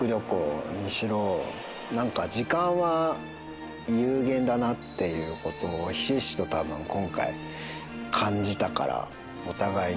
何か時間は有限だなっていうことをひしひしとたぶん今回感じたからお互いに。